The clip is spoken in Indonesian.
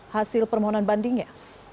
hasil permohonan bandingnya